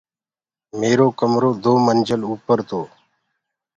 ميرو ڪمرو دو منجل اوپر تو